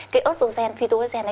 cái ớt oxygen phyto oxygen